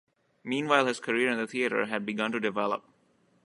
Meanwhile, his career in the theatre had begun to develop.